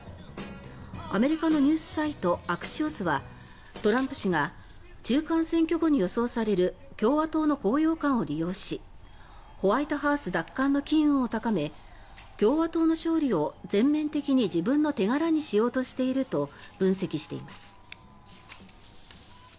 アメリカのニュースサイトアクシオスはトランプ氏が中間選挙後に予想される共和党の高揚感を利用しホワイトハウス奪還の機運を高め共和党の勝利を全面的に自分の手柄にしようとしていると分析しています。